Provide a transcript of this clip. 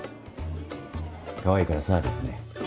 かわいいからサービスね。